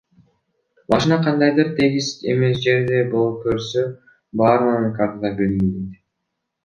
Машина кандайдыр тегиз эмес жерди көрсө, баарын картада белгилейт.